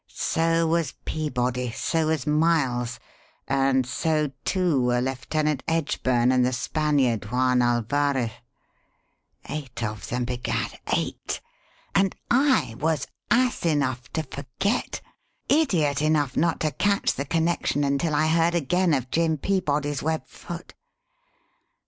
So was Peabody; so was Miles; and so, too, were Lieutenant Edgburn and the Spaniard, Juan Alvarez. Eight of them, b'gad eight! And I was ass enough to forget, idiot enough not to catch the connection until I heard again of Jim Peabody's web foot!